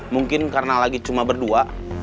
mungkin karena lagi cuma berdua